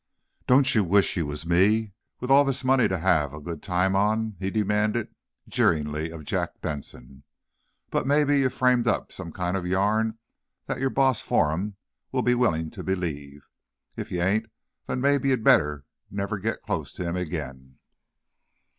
"Don't ye wish ye was me, with all this money to have a good time on?" he demanded, jeeringly, of Jack Benson. "But maybe ye've framed up some kind of a yarn that yer boss, Farnum, will be willin' to believe. If ye hain't, then mebbe ye'd better never git close to him again."